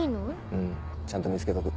うん。ちゃんと見つけとく。